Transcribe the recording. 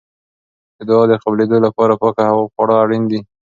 د دعا د قبلېدو لپاره پاکه خواړه اړین دي.